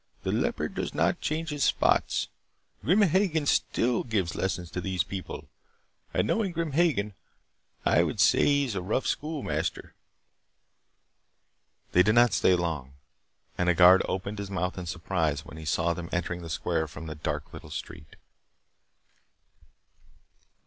"The leopard does not change his spots. Grim Hagen still gives lessons to these people. And knowing Grim Hagen I would say he is a rough schoolmaster." They did not stay long. And a guard opened his mouth in surprise when he saw them entering the square from the dark, little street.